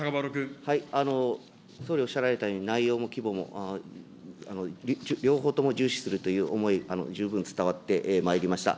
総理おっしゃられたように、内容も規模も両方とも重視するという思い、十分伝わってまいりました。